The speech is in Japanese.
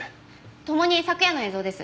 共に昨夜の映像です。